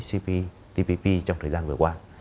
cptpp trong thời gian vừa qua